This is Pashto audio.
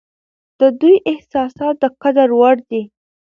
د دوی احساسات د قدر وړ دي.